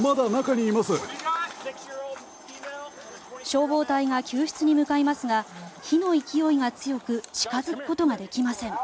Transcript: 消防隊が救出に向かいますが火の勢いが強く近付くことができません。